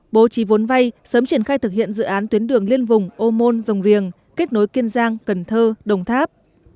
bố trí vốn vay sớm triển khai thực hiện dự án tuyến đường liên vùng ô môn rồng riềng kết nối kiên giang cần thơ đồng tháp